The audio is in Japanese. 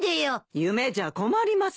夢じゃ困りますよ。